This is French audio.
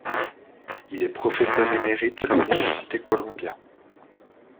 Il est professeur émérite à l’université Columbia.